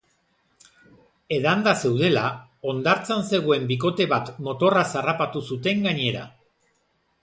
Edanda zeudela, hondartzan zegoen bikote bat motorraz harrapatu zuten gainera.